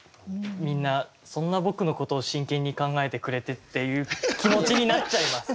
みんなそんな僕のことを真剣に考えてくれてっていう気持ちになっちゃいます。